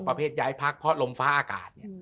ย้ายพักเพราะลมฟ้าอากาศ